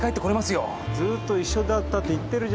「ずっと一緒だった」と言ってるじゃないか。